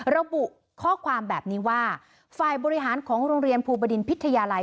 ระบุข้อความแบบนี้ว่าฝ่ายบริหารของโรงเรียนภูบดินพิทยาลัย